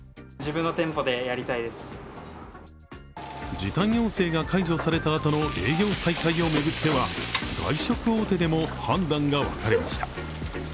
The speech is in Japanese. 時短要請が解除されたあとの営業再開を巡っては、外食大手でも判断が分かれました。